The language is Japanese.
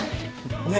ねっ。